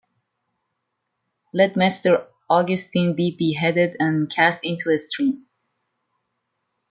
Let Mr. Augustin be beheaded, and cast into a stream.